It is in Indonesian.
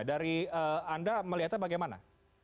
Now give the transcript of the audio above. dari anda melihatnya bagaimana